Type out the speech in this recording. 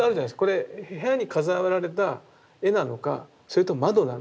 これ部屋に飾られた絵なのかそれとも窓なのか